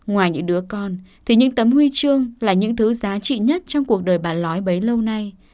ngoài những đứa con thì những tấm huy chương là những thứ giá trị nhất trong cuộc đời bà lói bấy lâu nay